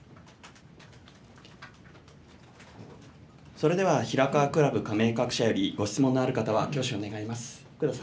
それでは平河クラブ加盟各社よりご質問がある方は挙手を願い